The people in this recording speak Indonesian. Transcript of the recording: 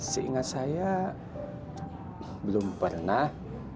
seingat saya belum pernah